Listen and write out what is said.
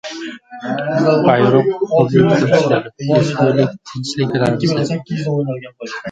Bayroq — hurlik timsoli, ezgulik, tinchlik ramzi